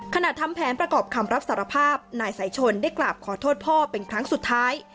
ทำแผนประกอบคำรับสารภาพนายสายชนได้กราบขอโทษพ่อเป็นครั้งสุดท้าย